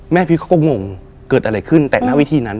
แม่ภิวิตก็งงเกิดอะไรขึ้นแต่หน้าวิธีนั้น